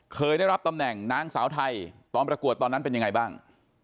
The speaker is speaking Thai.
เคยได้รับตำแหน่งนางสาวไทยตอนประกวดตอนนั้นเป็นยังไงบ้าง